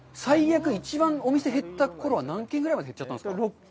最悪、一番お店減ったころは何軒ぐらいまで減ったんですか？